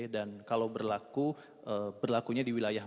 dan kalau berlaku berlakunya di wilayahnya